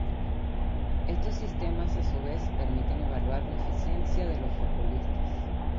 Estos sistemas a su vez permiten evaluar la eficiencia de los futbolistas.